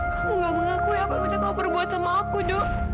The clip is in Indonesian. kamu gak mengakui apa benda kamu perbuat sama aku do